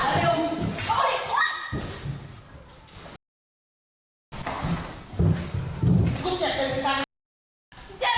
เราไม่รอดมากยาก